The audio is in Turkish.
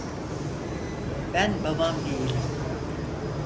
Ben babam değilim.